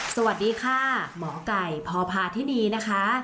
สวัสดีค่ะหมอไก่พพาธินีนะคะ